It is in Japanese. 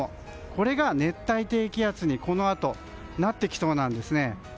これが熱帯低気圧にこのあとなってきそうなんですね。